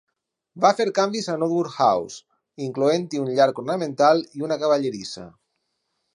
Va fer canvis a Norwood House, incloent-hi un llac ornamental i una cavallerissa.